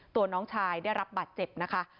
ตัวน้องชายได้รับบัตรเจ็บนะคะ